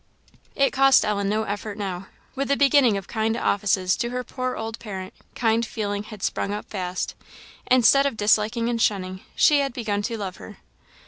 It cost Ellen no effort now. With the beginning of kind offices to her poor old parent, kind feeling had sprung up fast; instead of disliking and shunning, she had begun to love her.